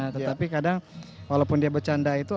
tetapi kadang walaupun dia bercanda itu